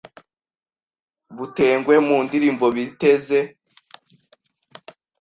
butengwe mu ndirimbo biteze